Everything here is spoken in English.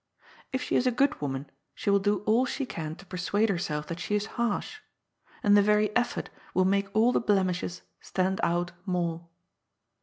If she is a good woman, she will do all she can to per suade herself that she is harsh. And the very effort will make all the blemishes stand out more.